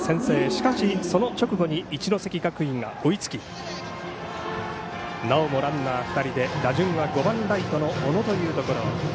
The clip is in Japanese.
しかし、その直後に一関学院が追いつきなおもランナー、２人で打順は５番ライトの小野というところ。